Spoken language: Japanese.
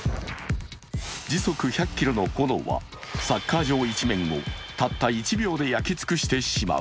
時速１００ｋｍの炎はサッカー場一面をたった１秒で焼き尽くしてしまう。